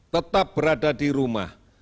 tetap berada di rumah